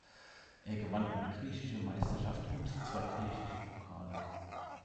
Er gewann eine griechische Meisterschaft und zwei griechische Pokale.